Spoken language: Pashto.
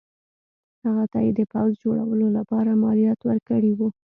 هغه ته یې د پوځ جوړولو لپاره مالیات ورکړي وو.